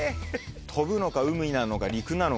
飛ぶのか海なのか陸なのか。